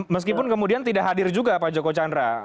meskipun kemudian tidak hadir juga pak joko chandra